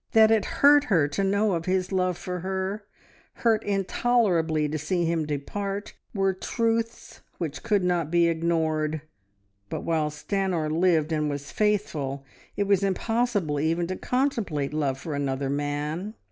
That it hurt her to know of his love for her; hurt intolerably to see him depart, were truths which could not be ignored, but while Stanor lived and was faithful it was impossible even to contemplate love for another man.